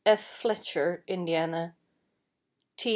Fletcher, Indiana; T.